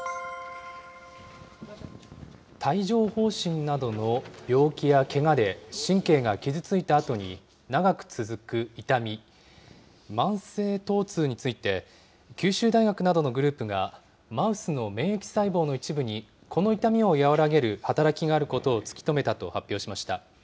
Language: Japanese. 帯状ほう疹などの病気やけがで神経が傷ついたあとに長く続く痛み、慢性疼痛について、九州大学などのグループが、マウスの免疫細胞の一部に、この痛みを和らげる働きがあることを突き止めたと発表しました。